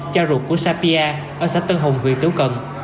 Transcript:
cha ruột của safia ở xã tân hùng huyện tiếu cần